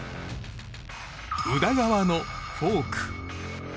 宇田川のフォーク。